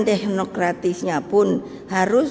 teknokratisnya pun harus